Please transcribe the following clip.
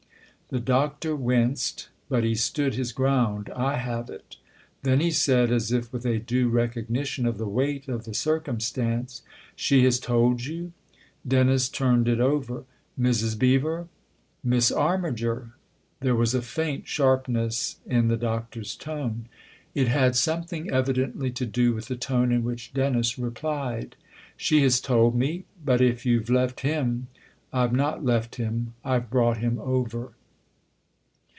The Doctor winced, but he stood his ground. " I have it." Then he said as if with a due recognition of the weight of the circumstance :" She has told you ?" Dennis turned it over. " Mrs. Beever ?"" Miss Armiger." There was a faint sharpness in the Doctor's tone. It had something evidently to do with the tone in which Dennis replied. " She has told me. But if you've left him "" I've not left him. I've brought him over."